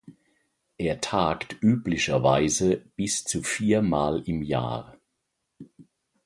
Er tagt üblicherweise bis zu vier Mal im Jahr.